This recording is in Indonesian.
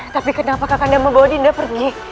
tapi kenapa kak kandas membawa dinda pergi